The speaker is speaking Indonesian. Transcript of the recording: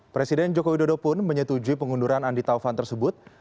presiden jokowi dodo pun menyetujui pengunduran andi taufan tersebut